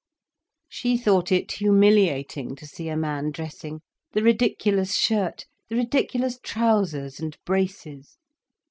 She thought it humiliating to see a man dressing: the ridiculous shirt, the ridiculous trousers and braces.